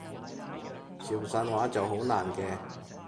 潮汕話就好難嘅